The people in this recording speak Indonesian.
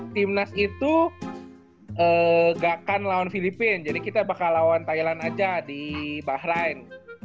timnas itu gak kan lawan filipina jadi kita bakal lawan thailand aja di bahrain